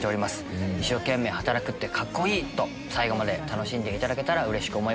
一生懸命働くってカッコいい！と最後まで楽しんでいただけたらうれしく思います。